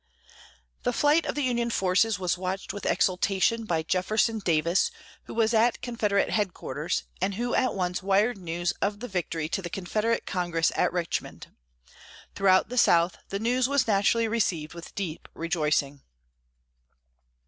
The flight of the Union forces was watched with exultation by Jefferson Davis, who was at Confederate headquarters, and who at once wired news of the victory to the Confederate Congress at Richmond. Throughout the South, the news was naturally received with deep rejoicing.